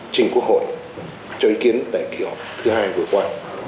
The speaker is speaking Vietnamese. chính quốc hội cho ý kiến tại kỷ họp thứ hai vừa qua